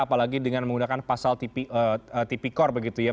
apalagi dengan menggunakan pasal tp cor begitu ya